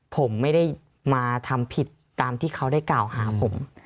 ผมไม่ได้มาทำผิดตามที่เขาได้กล่าวหาผม